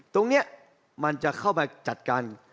ตรงนี้มันจะเข้ามาจัดการ